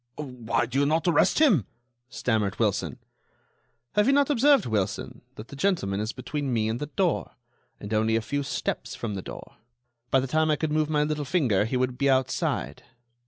"Why do you not arrest him?" stammered Wilson. "Have you not observed, Wilson, that the gentleman is between me and the door, and only a few steps from the door. By the time I could move my little finger he would be outside."